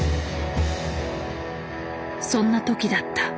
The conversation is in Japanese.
そんな時だった。